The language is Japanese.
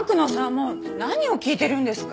もう何を聞いてるんですか？